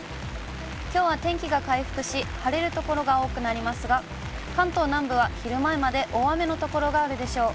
きょうは天気が回復し、晴れる所が多くなりますが、関東南部は昼前まで大雨の所があるでしょう。